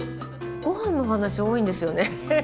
ごはんの話、多いんですよね。